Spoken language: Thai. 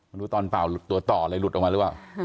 ไม่รู้ตอนเป่าตัวต่อเลยหลุดออกมาหรือเปล่า